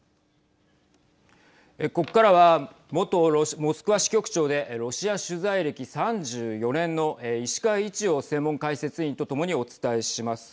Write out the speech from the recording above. ここからは元モスクワ支局長でロシア取材歴３４年の石川一洋専門解説委員と共にお伝えします。